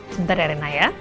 sebentar ya reina ya